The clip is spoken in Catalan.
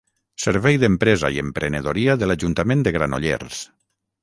Servei d'Empresa i Emprenedoria de l'Ajuntament de Granollers.